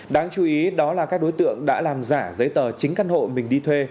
đáng chú ý đó là các đối tượng đã làm giả giấy tờ chính căn hộ mình đi thuê